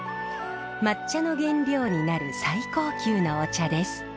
抹茶の原料になる最高級のお茶です。